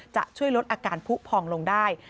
จะช่วยลดอาการผู้พองลงได้